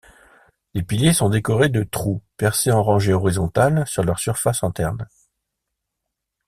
Les piliers sont décorés de trous percés en rangées horizontales sur leur surface interne.